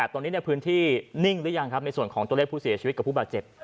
ตอนนี้ในพื้นที่นิ่งหรือยังครับในส่วนของตัวเลขผู้เสียชีวิตกับผู้บาดเจ็บ